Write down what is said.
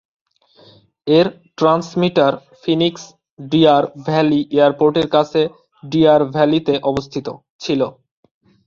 এর transmitter Phoenix Deer Valley এয়ারপোর্টের কাছে ডিয়ার ভ্যালিতে অবস্থিত ছিল।